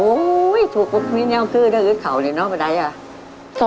โอ้โฮถูกพรุ่งนิ่งเยาะคือได้อึดเขาเลยเนอะบรรยาย